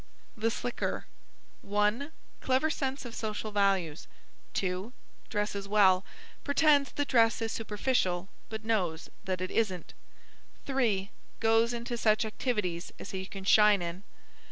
"THE SLICKER" 1. Clever sense of social values. 2. Dresses well. Pretends that dress is superficial—but knows that it isn't. 3. Goes into such activities as he can shine in.